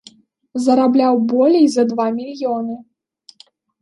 Зарабляў болей за два мільёны.